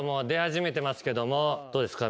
どうですか？